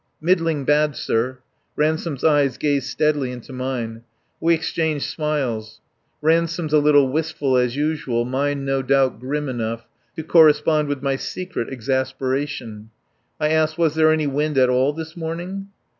"Middling bad, sir." Ransome's eyes gazed steadily into mine. We exchanged smiles. Ransome's a little wistful, as usual, mine no doubt grim enough, to correspond with my secret exasperation. I asked: "Was there any wind at all this morning?"